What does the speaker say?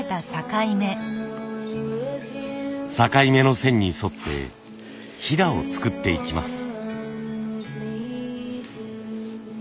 境目の線に沿ってひだを作っていきます。